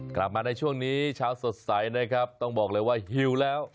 กลับมาในช่วงนี้เช้าสดใสนะครับต้องบอกเลยว่าหิวแล้ว